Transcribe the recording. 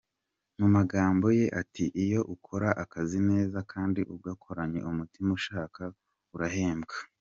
Mu magambo ye ati: "Iyo ukora akazi neza kandi ugakoranye Umutima ushaka, urahembwa.